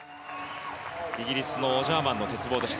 イギリスのジャーマンの鉄棒でした。